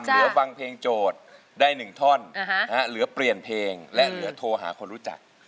เหลือฟังเพลงโจทย์ได้๑ท่อนเหลือเปลี่ยนเพลงและเหลือโทรหาคนรู้จัก